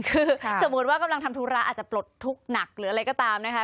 คือสมมุติว่ากำลังทำธุระอาจจะปลดทุกข์หนักหรืออะไรก็ตามนะคะ